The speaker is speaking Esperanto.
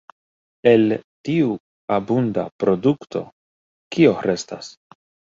El tiu abunda produkto, kio restas?